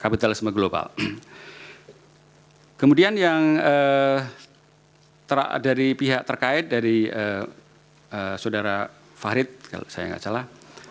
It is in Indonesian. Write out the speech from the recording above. kapitalisme global kemudian yang terakhir dari pihak terkait dari saudara farid kalau saya nggak salah